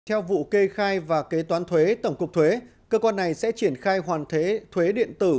theo vụ kê khai và kế toán thuế tổng cục thuế cơ quan này sẽ triển khai hoàn thuế điện tử